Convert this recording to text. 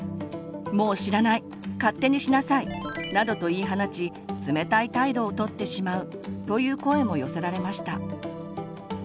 「もう知らない勝手にしなさい」などと言い放ち冷たい態度をとってしまうという声も寄せられました。